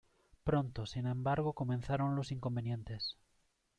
Pronto sin embargo comenzaron los inconvenientes.